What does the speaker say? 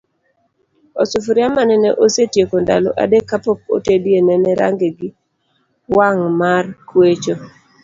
Osufuria manene osetieko ndalo adek kapok otedie nene range gi wang' mar kwecho.